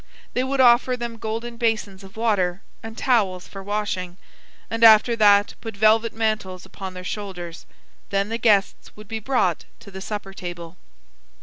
They would offer them golden basins of water, and towels for washing, and after that put velvet mantles upon their shoulders. Then the guests would be brought to the supper table.